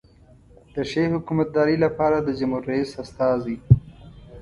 د ښې حکومتدارۍ لپاره د جمهور رئیس استازی.